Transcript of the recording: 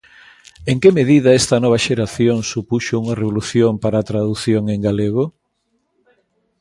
En que medida esta nova xeración supuxo unha revolución para a tradución en galego?